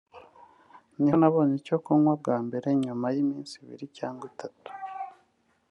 ni ho nabonye icyo kunywa bwa mbere nyuma y’iminsi ibiri cyangwa itatu